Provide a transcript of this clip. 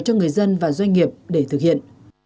cho người dân và doanh nghiệp để thực hiện